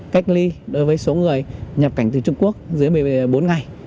cách ly đối với số người nhập cảnh từ trung quốc dưới một mươi bốn ngày